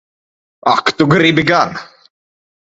Ak tu gribi gan!